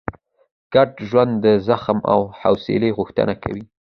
ګډ ژوند د زغم او حوصلې غوښتنه کوي.